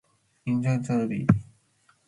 Icsaquiobi